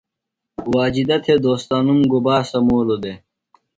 واجدہ تھےۡ دوستنوم گُبا سمولوۡ دےۡ؟